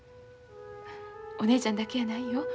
お姉ちゃんだけやないよ。